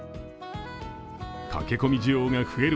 駆け込み需要が増える